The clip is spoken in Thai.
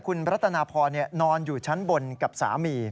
คุณรัตนาพรนอนอยู่ชั้นบนกับสามี